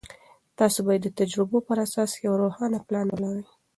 تاسې باید د تجربو پر اساس یو روښانه پلان ولرئ.